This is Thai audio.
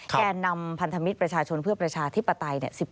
แก่นำพันธมิตรประชาชนเพื่อประชาธิปไตย